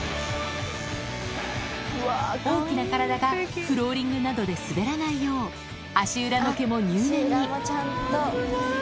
大きな体がフローリングなどで滑らないよう、足裏の毛も入念に。